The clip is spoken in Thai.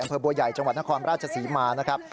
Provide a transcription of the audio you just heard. บัวใหญ่จังหวัดนครราชศรีมานะครับ